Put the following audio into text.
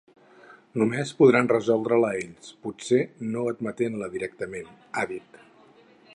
Només podran resoldre-la ells, potser no admetent-la directament, ha dit.